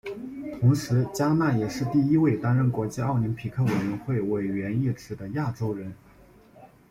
同时嘉纳也是第一位担任国际奥林匹克委员会委员一职的亚洲人。